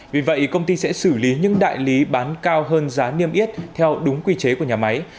vì vậy công ty sẽ xử lý những đại lý bán cao hơn giá niêm yết theo đúng quy chế của nhà máy